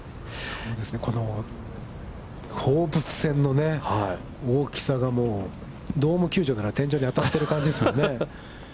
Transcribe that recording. この放物線の大きさがドーム球場なら天井に当たってる感じですね。